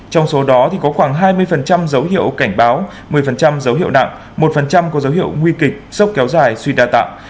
trong số đó có khoảng hai mươi dấu hiệu cảnh báo một mươi dấu hiệu nặng một có dấu hiệu nguy kịch sốc kéo dài suy đa tạng